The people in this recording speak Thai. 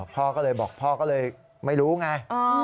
พ่อก็เลยบอกพ่อก็เลยไม่รู้ไง